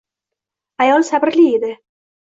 Ayol sabrli edi